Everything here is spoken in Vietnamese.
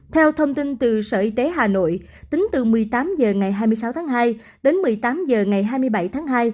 theo thông tin từ sở y tế hà nội tính từ một mươi tám h ngày hai mươi sáu tháng hai đến một mươi tám h ngày hai mươi bảy tháng hai